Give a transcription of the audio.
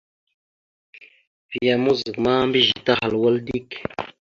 Vya mouzak ma mbiyez tahal wal dik.